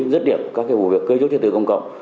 rất điểm các vụ việc cưới rút chất tử công cộng